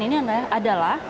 ini yang saya pesen adalah